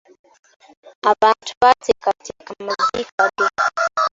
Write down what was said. Abantu baateekateeka amaziika ge.